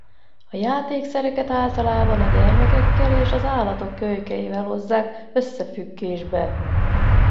A játékszereket általában a gyermekekkel és az állatok kölykeivel hozzák összefüggésbe.